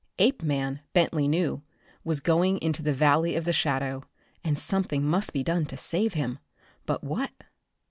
Apeman, Bentley knew, was going into the Valley of the Shadow, and something must be done to save him. But what?